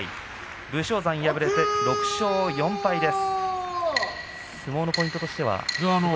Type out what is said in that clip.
武将山、敗れて６勝４敗です。